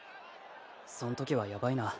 その時はやばいな。